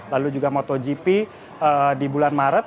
lalu juga motogp di bulan maret